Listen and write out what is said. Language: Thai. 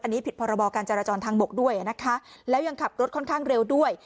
อันนี้ผิดพรบการจราจรทางบกด้วยนะคะแล้วยังขับรถค่อนข้างเร็วด้วย